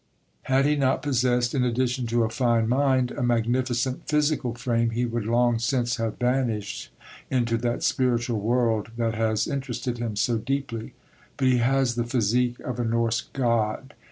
Had he not possessed, in addition to a fine mind, a magnificent physical frame, he would long since have vanished into that spiritual world that has interested him so deeply. But he has the physique of a Norse god.